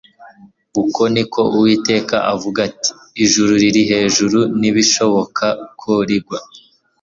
uko ni ko Uwiteka avuga ati :« Ijuru riri hejuru nibishoboka ko rigwa,